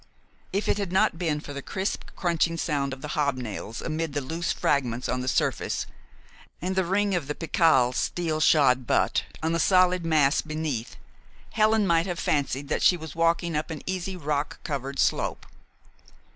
If it had not been for the crisp crunching sound of the hobnails amid the loose fragments on the surface, and the ring of the pickel's steel shod butt on the solid mass beneath, Helen might have fancied that she was walking up an easy rock covered slope.